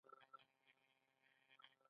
په تیارو کې د خپل ملګري سره ګرځېدل غوره دي.